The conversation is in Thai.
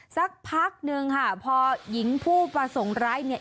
สักพักหนึ่งพอหญิงผู้ประสงค์ร้าย